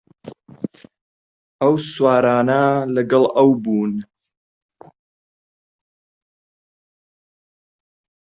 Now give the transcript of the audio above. ئەو سوارانە لەگەڵ ئەو بوون